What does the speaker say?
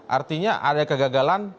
artinya ada kegagalan